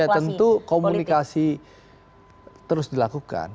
ya tentu komunikasi terus dilakukan